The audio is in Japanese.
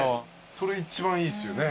それ一番いいっすよね。